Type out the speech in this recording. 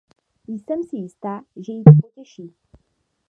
Jsem si jistá, že ji to potěší!